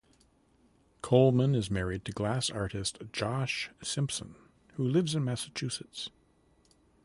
Coleman is married to glass artist Josh Simpson who lives in Massachusetts.